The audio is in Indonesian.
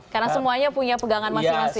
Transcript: karena semuanya punya pegangan masing masing